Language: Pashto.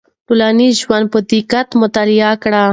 ټولنیز ژوند په دقت مطالعه کړئ.